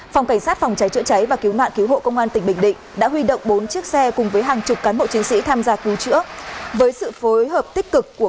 phòng cảnh sát phòng cháy chữa cháy và cứu nạn cứu hộ công an tỉnh bình định đã huy động bốn chiếc xe cùng với hàng chục cán bộ chiến sĩ tham gia cứu chữa